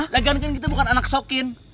dagang kan kita bukan anak sokin